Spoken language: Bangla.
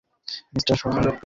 ওই তো ওখানে মিস্টার সাহায়।